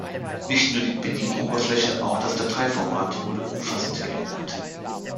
Nicht nur die Bedienoberfläche, auch das Dateiformat wurde umfassend geändert.